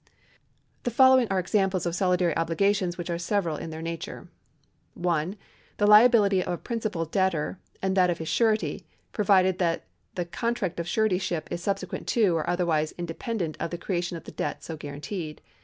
The following are examples of solidary obligations which are several in their nature : (1) The liability of a principal debtor and that of his surety, provided that the contract of siu etyship is subsequent to, or otherwise independent of tlie creation of the debt so guaranteed.